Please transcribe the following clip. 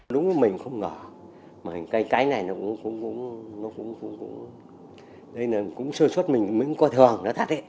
đúng với mình không ngờ cái này nó cũng sơ xuất mình mới coi thường nó thật đấy